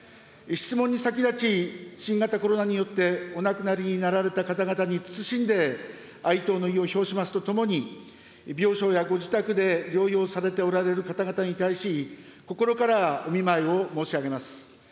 質問に先立ち、新型コロナによってお亡くなりになられた方々に謹んで哀悼の意を表しますとともに、病床やご自宅で療養されておられる方々に対し、心からお見舞いを申し上げます。